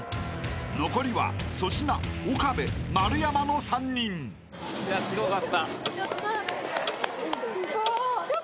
［残りは粗品岡部丸山の３人］すごかった。